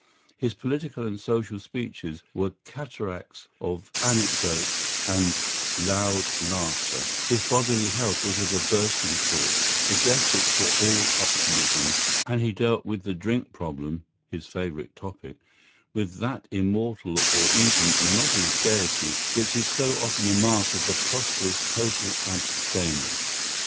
His political and social speeches were cataracts of anecdotes and "loud laughter"; his bodily health was of a bursting sort; his ethics were all optimism; and he dealt with the Drink problem (his favourite topic) with that immortal or even monotonous gaiety which is so often a mark of the prosperous total abstainer.